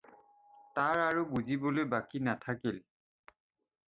তাৰ আৰু বুজিবলৈ বাকী নাথাকিল।